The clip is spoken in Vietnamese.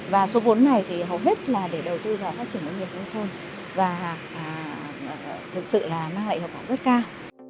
và số vốn này thì hầu hết là để đầu tư vào phát triển nông nghiệp nông thôn và thực sự là mang lại hiệu quả rất cao